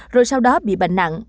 rồi sau đó bị bệnh nặng